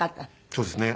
そうですね。